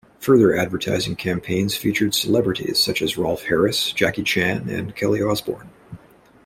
Further advertising campaigns featured celebrities such as Rolf Harris, Jackie Chan and Kelly Osbourne.